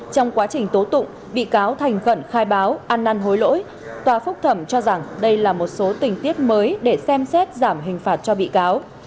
trong quá trình tố tụng bị cáo thành khẩn khai báo ăn năn hối lỗi tòa phúc thẩm cho rằng đây là một số tình tiết mới để xem xét giảm hình phạt cho bị cáo